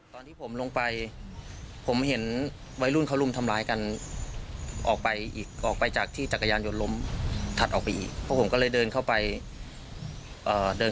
ตอนที่ผมลงไปผมเห็นวัยรุ่นเขารุ่มทำลายกัน